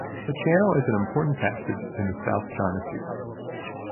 The channel is an important passage in the South China Sea.